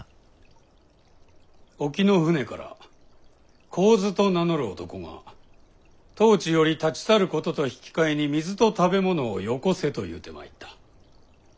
沖の船から神頭と名乗る男が当地より立ち去ることと引き換えに水と食べ物をよこせと言うてまいった。